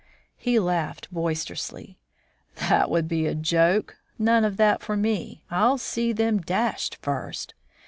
He laughed boisterously. "That would be a joke. None of that for me. I'll see them dashed first."